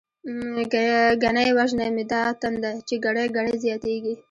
ګنی وژنی می دا تنده، چی ګړۍ ګړۍ زياتيږی